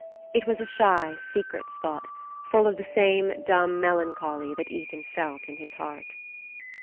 It was a shy secret spot, full of the same dumb melancholy that Ethan felt in his heart.